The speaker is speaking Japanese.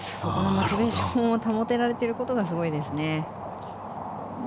モチベーションを保てられてることがすごいですね。